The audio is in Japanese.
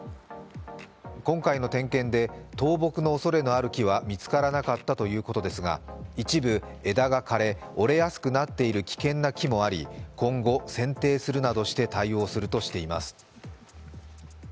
今回の点検で倒木のおそれがある木は見つからなかったということですが一部、枝が枯れ、折れやすくなっている危険な木もあり、今後、せんていするなどして対応するとしています。